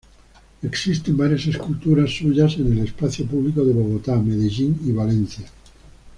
Existen varias esculturas suyas en el espacio público de Bogotá, Medellín y Valencia.